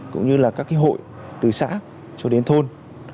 cũng như là các cái hội từ xã cho đến thôn